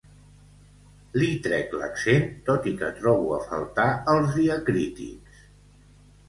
li trec l'accent tot i que trobo a faltar els diacrítics